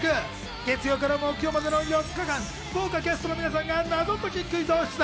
月曜から木曜までの４日間、豪華キャストの皆さんが謎解きクイズを出題。